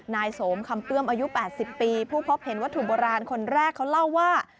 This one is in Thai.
นายสมคำเปื้อมอายุ๘๐ปีผู้พบเห็นวัตถุโบราณคนแรกเขาเล่าว่า